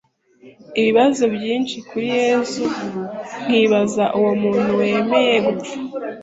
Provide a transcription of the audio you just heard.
ibibazo byinshi kuri Yesu nkibaza uwo muntu wemeye gupfa